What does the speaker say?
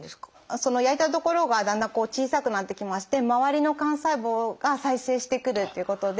その焼いた所がだんだんこう小さくなってきまして周りの肝細胞が再生してくるっていうことで。